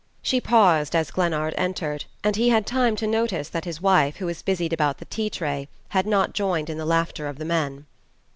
She paused as Glennard entered, and he had time to notice that his wife, who was busied about the tea tray, had not joined in the laughter of the men.